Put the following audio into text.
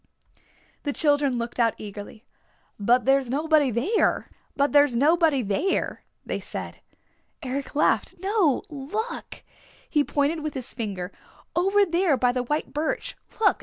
The children looked out eagerly. "But there's nobody there," they said. Eric laughed. "No, look!" He pointed with his finger. "Over there by the white birch. Look!